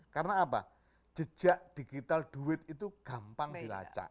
karena apa jejak digital duit itu gampang dilacak